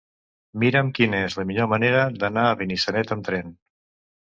Mira'm quina és la millor manera d'anar a Benissanet amb tren.